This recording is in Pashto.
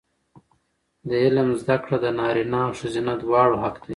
د علم زده کړه د نارینه او ښځینه دواړو حق دی.